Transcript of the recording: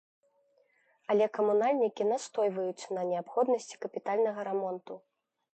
Але камунальнікі настойваюць на неабходнасці капітальнага рамонту.